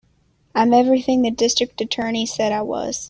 I'm everything the District Attorney said I was.